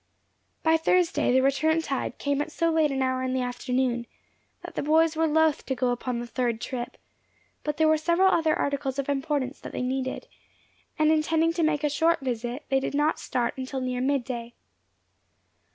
By Thursday the return tide came at so late an hour in the afternoon, that the boys were loth to go upon the third trip; but there were several other articles of importance that they needed, and intending to make a short visit, they did not start until near mid day.